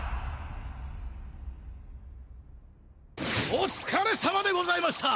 おつかれさまでございました。